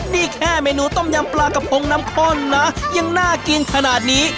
นี่แค่เมนูต้มยำปลากระพงน้ำข้นนะยังน่ากินขนาดนี้